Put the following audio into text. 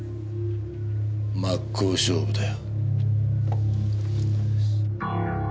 真っ向勝負だよ。